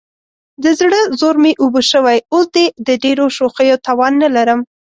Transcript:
د زړه زور مې اوبه شوی، اوس دې د ډېرو شوخیو توان نه لرم.